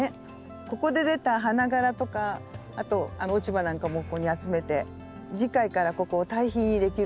ここで出た花がらとかあと落ち葉なんかもここに集めて次回からここを堆肥にできるわけですもんね。